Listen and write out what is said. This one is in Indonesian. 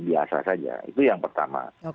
biasa saja itu yang pertama